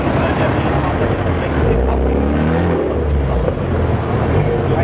มันเป็นสิ่งที่จะให้ทุกคนรู้สึกว่ามันเป็นสิ่งที่จะให้ทุกคนรู้สึกว่า